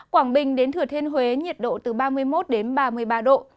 quảng bình đến thừa thiên huế nhiệt độ từ ba mươi một đến ba mươi ba độ